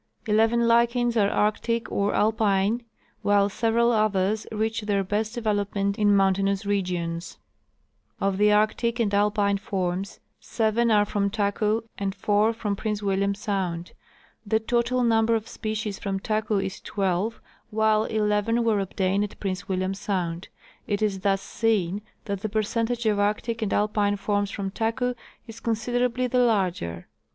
Eleven lichens are arctic or alpine, while several others reach their best development in mountainous regions. Of the arctic and alpine forms. 162 C. W. Hayes — Expedition through the Yukon District. seven are from Taku and four from Prince William sound. The total number of species from Taku is twelve, vi^hile eleven were obtained at Prince William sound. It is thus seen that the percentage of arctic and alpine forms from Taku is considerably the larger.